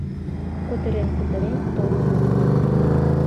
Кутырен-кутырен толын улына